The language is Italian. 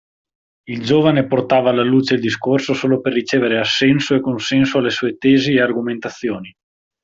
Il giovane portava alla luce il discorso solo per ricevere assenso e consenso alle sue tesi e argomentazioni.